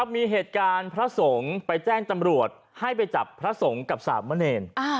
มีเหตุการณ์พระสงฆ์ไปแจ้งตำรวจให้ไปจับพระสงฆ์กับสามเณร